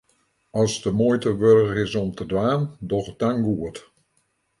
As it de muoite wurdich is om te dwaan, doch it dan goed.